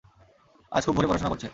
আজ খুব ভোরে পড়াশোনা করছে।